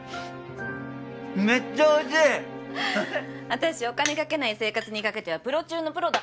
私お金かけない生活にかけてはプロ中のプロだから。